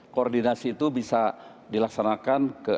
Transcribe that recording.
koordinasi itu bisa dilaksanakan ke